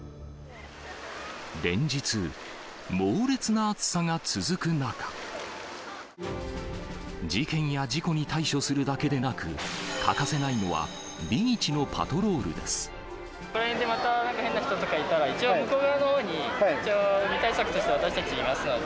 連日、猛烈な暑さが続く中、事件や事故に対処するだけでなく、欠かせないのはビーチのパトローここら辺でまた変な人とかいたら、向こう側のほうに一応、海対策として私たちいますので。